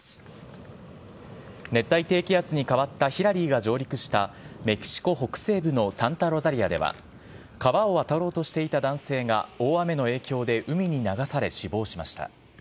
熱帯低気圧に変わったヒラリーが上陸した、メキシコ北西部のサンタロザリアでは川を渡ろうとしていた男性が大雨の影響で海に流され死亡しました。